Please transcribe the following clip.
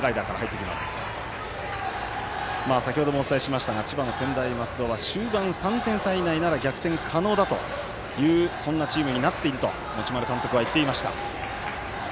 先ほどもお伝えしましたが千葉の専大松戸は終盤３点差以内なら逆転可能だとそんなチームになっていると持丸監督は言っていました。